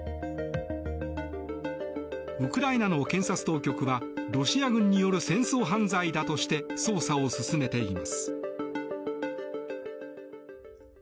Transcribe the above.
ウクライナの検察当局はロシア軍による戦争犯罪だとして捜査を進めています。